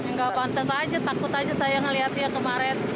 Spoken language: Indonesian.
nggak kontes aja takut aja saya ngeliat dia kemarin